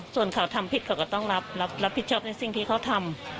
ส่วนเขาทำผิดเขาก็ต้องรับผิดชอบในสิ่งที่เขาทำ